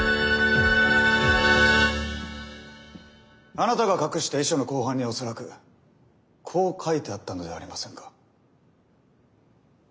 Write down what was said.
あなたが隠した遺書の後半には恐らくこう書いてあったのではありませんか？